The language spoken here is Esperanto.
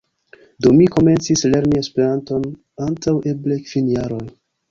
Do mi komencis lerni Esperanton antaŭ eble kvin jaroj.